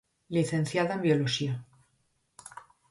Licenciada en Bioloxía.